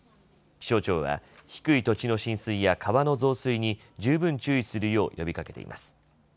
気象庁は低い土地の浸水や川の増水に十分注意するよう呼びかけています。